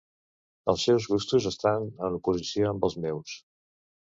Els seus gustos estan en oposició amb els meus.